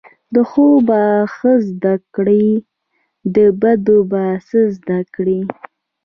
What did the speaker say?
د ښو به ښه زده کړی، د بدو به څه زده کړی